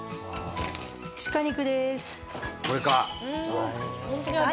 鹿肉です。